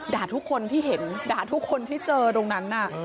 ทุกคนที่เห็นด่าทุกคนที่เจอตรงนั้น